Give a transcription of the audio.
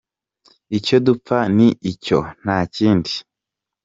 Icyo dupfa ni icyo, nta kindi.